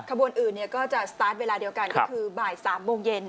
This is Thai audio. ขบวนอื่นก็จะสตาร์ทเวลาเดียวกันก็คือบ่าย๓โมงเย็น